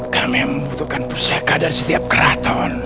kami membutuhkan pusaka dari setiap keraton